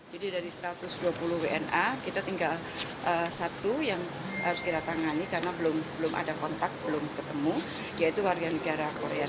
jadi dari satu ratus dua puluh wna kita tinggal satu yang harus kita tangani karena belum ada kontak belum ketemu yaitu warga negara korea